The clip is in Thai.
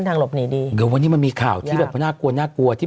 ทางหลบหนีดีเดี๋ยววันนี้มันมีข่าวที่แบบน่ากลัวน่ากลัวที่